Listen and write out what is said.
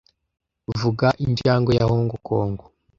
Vuga injangwe ya Hong Kong